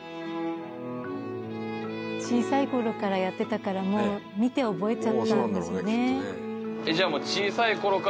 小さい頃からやってたからもう見て覚えちゃったんでしょうね。